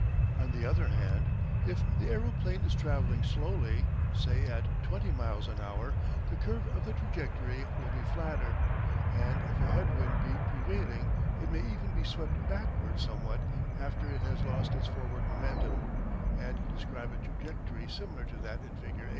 On the other hand, if the aeroplane is travelling slowly, say at 20 miles an hour, the curve of the trajectory will be flatter, and if a head wind be prevailing it may even be swept backwards somewhat after it has lost its forward momentum, and describe a trajectory similar to that in Fig.